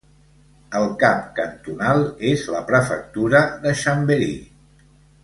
El cap cantonal és la prefectura de Chambéry.